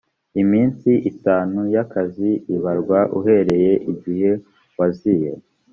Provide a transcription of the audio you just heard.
iminsi itanu y akazi ibarwa uhereye igihe waziye